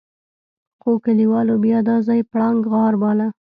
خو کليوالو بيا دا ځای پړانګ غار باله.